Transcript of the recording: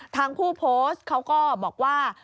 ทางผู้โพสต์เขาก็บอกว่า